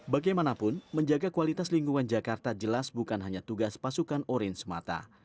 bagaimanapun menjaga kualitas lingkungan jakarta jelas bukan hanya tugas pasukan orange mata